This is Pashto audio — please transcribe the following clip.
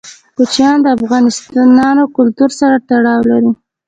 کوچیان د افغان کلتور سره تړاو لري.